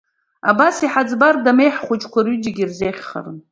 Абас иҳаӡбыр, Дамеи, ҳхәыҷқәа рҩыџьагьы ирзеиӷьхарын.